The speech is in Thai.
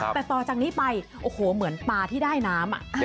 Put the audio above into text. แต่ต่อจากนี้ไปโอ้โหเหมือนปลาที่ได้น้ำ